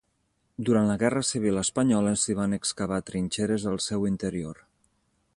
Durant la Guerra Civil espanyola s'hi van excavar trinxeres al seu interior.